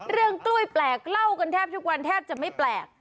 กล้วยแปลกเล่ากันแทบทุกวันแทบจะไม่แปลก